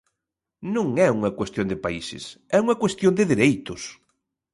Non é unha cuestión de países, é unha cuestión de dereitos.